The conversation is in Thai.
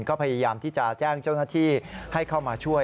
ก็พยายามที่จะแจ้งเจ้าหน้าที่ให้เข้ามาช่วย